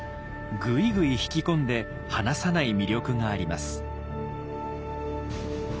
ぐいぐい引き込んで離さない魅力があります。